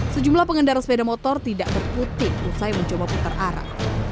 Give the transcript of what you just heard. sejumlah pengendara sepeda motor tidak berputik usai mencoba putar arah